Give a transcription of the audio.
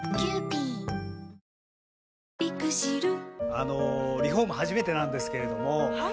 あのリフォーム初めてなんですけれどもはい。